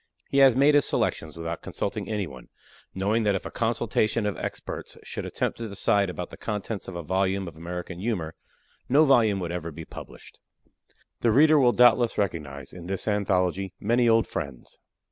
He has made his selections without consulting any one, knowing that if a consultation of experts should attempt to decide about the contents of a volume of American humor, no volume would ever be published. The reader will doubtless recognize, in this anthology, many old friends.